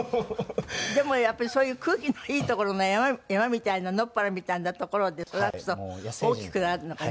でもやっぱりそういう空気のいい所の山みたいな野っ原みたいな所で育つと大きくなるのかね？